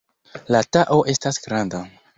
La Tao estas granda.